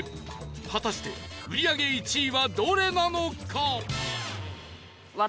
果たして売り上げ１位はどれなのか？